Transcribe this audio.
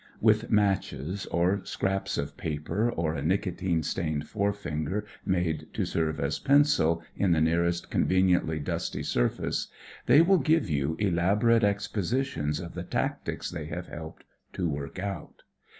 With matches, or scraps of paper, or a nicotine stained forefinger made to serve as pencil in the nearest conveniently dusty surface, they will give you elaborate expositions of the tactics they have hdped to work out.